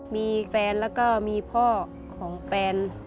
มีแฟนแล้วก็มีพ่อของแฟน